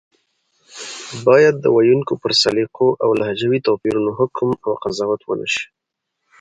بايد د ویونکو پر سلیقو او لهجوي توپیرونو حکم او قضاوت ونشي